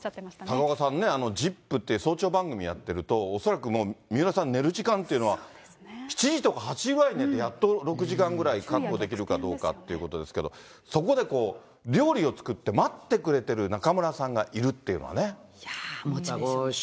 高岡さんね、ＺＩＰ！って早朝番組やってると、恐らくもう、水卜さん、寝る時間というのは、７時とか８時ぐらいに寝て、やっと６時間ぐらい確保できるかどうかっていうところですけど、そこでこう、料理を作って待ってくれてる中村さんがいるっていういやー、モチベーションがね。